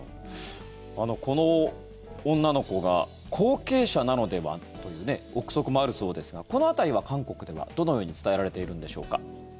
この女の子が後継者なのではという臆測もあるそうですがこの辺りは韓国ではどのように伝えられているんでしょうか。